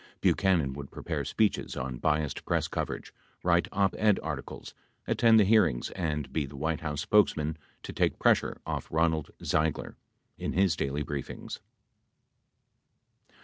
Buchanan would prepare speeches on biased press coverage, write op ed articles, attend the hearings and be the White House spokesman to take pressure off Ronald Ziegler in his daily briefings.